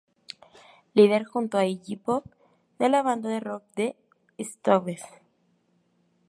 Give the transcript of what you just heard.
Líder junto a Iggy Pop de la banda de rock the Stooges.